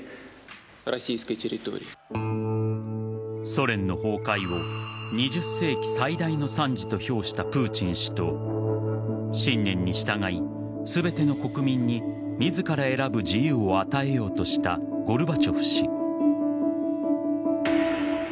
ソ連の崩壊を２０世紀最大の惨事と評したプーチン氏と信念に従い、全ての国民に自ら選ぶ自由を与えようとしたゴルバチョフ氏。